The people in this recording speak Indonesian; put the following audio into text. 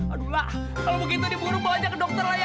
aduh lah kalo begitu nih burung bawa aja ke dokter lah ya